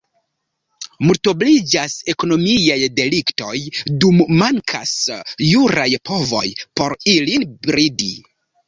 Multobliĝas ekonomiaj deliktoj, dum mankas juraj povoj por ilin bridi.